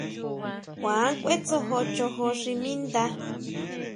Kuan kʼuetsojo chojo xi mi ndá.